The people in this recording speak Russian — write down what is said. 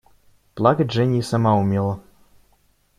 Плакать Женя и сама умела.